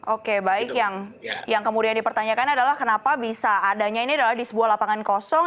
oke baik yang kemudian dipertanyakan adalah kenapa bisa adanya ini adalah di sebuah lapangan kosong